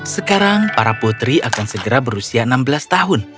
sekarang para putri akan segera berusia enam belas tahun